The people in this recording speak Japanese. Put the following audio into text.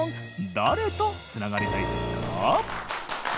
誰と繋がりたいですか？